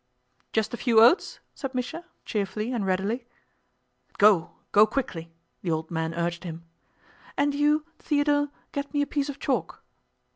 "Just a few oats?" said Misha, cheerfully and readily. "Go, go quickly," the old man urged him. "And you, Theodore, get me a piece of chalk."